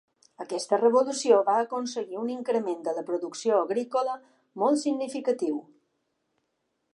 Aquesta «revolució» va aconseguir un increment de la producció agrícola molt significatiu.